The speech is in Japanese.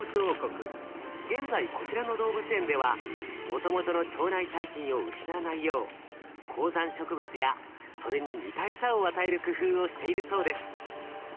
現在こちらの動物園ではもともとの腸内細菌を失わないよう高山植物やそれに似たエサを与える工夫をしているそうです。